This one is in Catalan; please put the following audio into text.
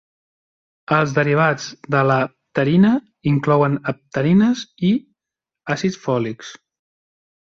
Els derivats de la pterina inclouen pterines i àcids fòlics.